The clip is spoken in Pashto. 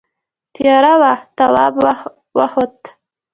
تیاره وه تواب وخوت.